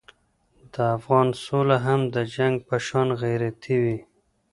د افغان سوله هم د جنګ په شان غیرتي وي.